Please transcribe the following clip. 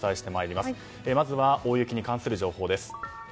まずは大雪に関する情報です。